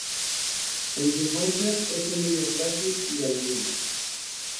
En su infancia es un niño frágil y albino.